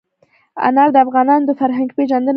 انار د افغانانو د فرهنګي پیژندنې برخه ده.